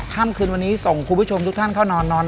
ค่ำคืนวันนี้ส่งคุณผู้ชมทุกท่านเข้านอนนอน